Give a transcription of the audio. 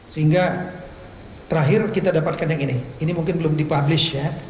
sehingga terakhir kita dapatkan yang ini ini mungkin belum dipublish ya